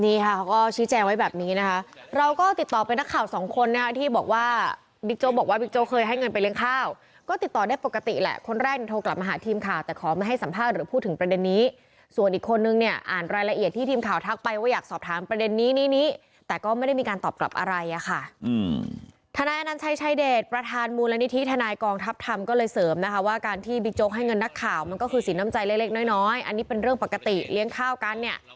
นี่ค่ะเขาก็ชี้แจงไว้แบบนี้นะคะเราก็ติดต่อไปนักข่าวสองคนนะที่บอกว่าบิ๊กโจบอกว่าบิ๊กโจเคยให้เงินไปเลี้ยงข้าวก็ติดต่อได้ปกติแหละคนแรกโทรกลับมาหาทีมข่าวแต่ขอไม่ให้สัมภาพหรือพูดถึงประเด็นนี้ส่วนอีกคนนึงเนี่ยอ่านรายละเอียดที่ทีมข่าวทักไปว่าอยากสอบถามประเด็นนี้นี้นี้แต่ก็ไม่ได้